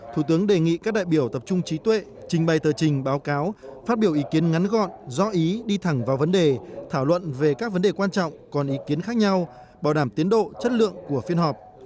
thủ tướng đề nghị các đại biểu tập trung trí tuệ trình bày tờ trình báo cáo phát biểu ý kiến ngắn gọn do ý đi thẳng vào vấn đề thảo luận về các vấn đề quan trọng còn ý kiến khác nhau bảo đảm tiến độ chất lượng của phiên họp